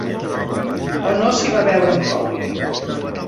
O no s'hi va veure amb cor.